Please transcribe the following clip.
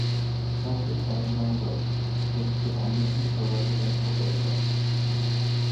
South of Dandenong Road is predominantly a residential area.